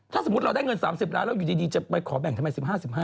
ถ้าสมมุติเราได้เงิน๓๐ล้านแล้วอยู่ดีจะไปขอแบ่งทำไม๑๕๑๕